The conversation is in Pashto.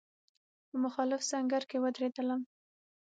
په مخالف سنګر کې ودرېدلم.